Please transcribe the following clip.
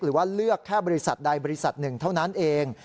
หรือว่าเลือกแค่บริษัทใดบริษัทหนึ่งเท่านั้นเอง